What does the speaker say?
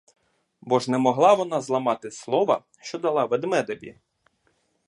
Бо ж не могла вона зламати слова, що дала ведмедеві!